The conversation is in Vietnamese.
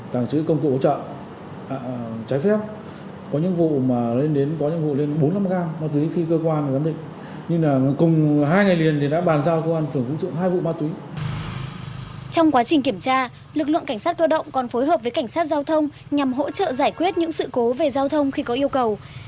trong quá trình kiểm tra lực lượng cảnh sát cơ động còn phối hợp với cảnh sát giao thông nhằm hỗ trợ giải quyết những sự cố về giao thông khi có yêu cầu